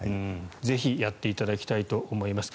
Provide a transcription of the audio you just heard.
ぜひやっていただきたいと思います。